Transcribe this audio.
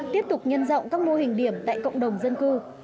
tiếp tục nhân rộng các mô hình điểm tại cộng đồng dân cư